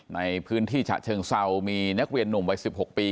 ในพื้นที่ฉะเชิงเซามีนักเรียนหนุ่มวัย๑๖ปี